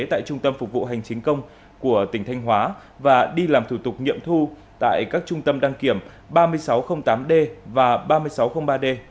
tại trung tâm phục vụ hành chính công của tỉnh thanh hóa và đi làm thủ tục nghiệm thu tại các trung tâm đăng kiểm ba nghìn sáu trăm linh tám d và ba nghìn sáu trăm linh ba d